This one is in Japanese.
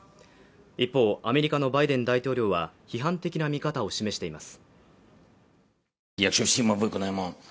一方、アメリカのバイデン大統領は、批判的な見方を示しています。